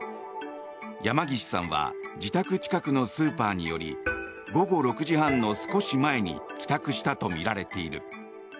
山岸さんは自宅近くのスーパーに寄り午後６時半の少し前に帰宅したとみられている。